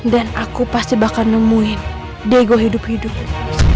dan aku pasti bakal nemuin diego hidup hidup